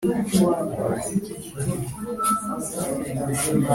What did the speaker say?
hamwe nubukungu bw Igihugu tuzatera imbere